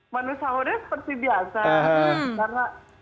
menu sahurnya seperti biasa